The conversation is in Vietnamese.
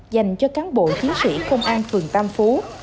dành cho cán bộ chiến sĩ công an phường tam phú